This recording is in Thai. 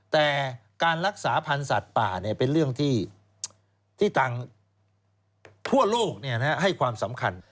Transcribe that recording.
แต่การรักษาพันธุ์สัตว์ป่าเป็นเรื่องที่ทางทั่วโลกให้ความสำคัญ